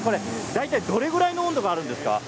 大体どれくらいの温度なんですか。